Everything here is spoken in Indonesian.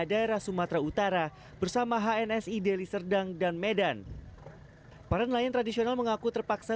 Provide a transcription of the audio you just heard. daerah sumatera utara bersama hnsi deli serdang dan medan para nelayan tradisional mengaku terpaksa